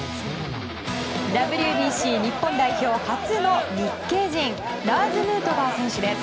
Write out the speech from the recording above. ＷＢＣ日本代表初の日系人ラーズ・ヌートバー選手です。